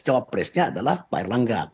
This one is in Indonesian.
jawab capresnya adalah pak erlangga